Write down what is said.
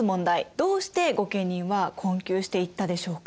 どうして御家人は困窮していったでしょうか？